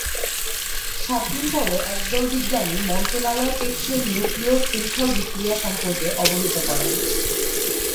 সাত দিন পরে, একদল বিজ্ঞানী মন্ত্রণালয়ে টেকসই নিউক্লীয় শৃঙ্খল বিক্রিয়া সম্পর্কে অবহিত করেন।